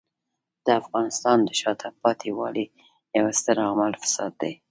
د افغانستان د شاته پاتې والي یو ستر عامل فساد دی.